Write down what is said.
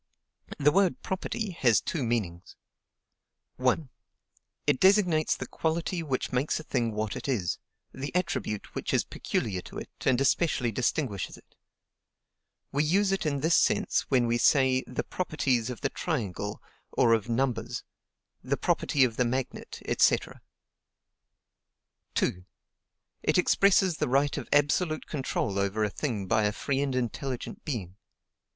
The word PROPERTY has two meanings: 1. It designates the quality which makes a thing what it is; the attribute which is peculiar to it, and especially distinguishes it. We use it in this sense when we say THE PROPERTIES OF THE TRIANGLE or of NUMBERS; THE PROPERTY OF THE MAGNET, &c. 2. It expresses the right of absolute control over a thing by a free and intelligent being.